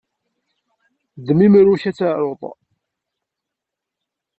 Ddem imru-k ad taruḍ.